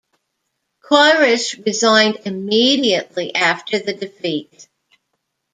Corish resigned immediately after the defeat.